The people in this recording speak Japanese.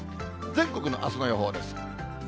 全国のあすの予報です。